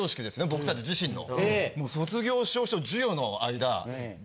僕たち自身の。